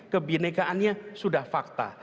kebinekaannya sudah fakta